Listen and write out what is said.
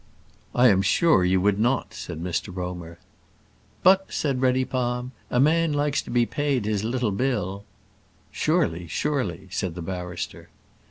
"I am sure you would not," said Mr Romer. "But," said Reddypalm, "a man likes to be paid his little bill." "Surely, surely," said the barrister.